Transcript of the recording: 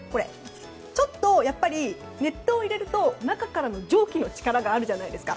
やっぱり熱湯を入れると中からの蒸気の力があるじゃないですか。